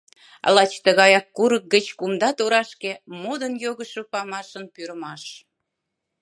Лач тыгаяк курык гыч кумда торашке Модын йогышо памашын пӱрымаш.